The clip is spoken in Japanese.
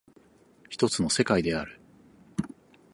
一つの世界である。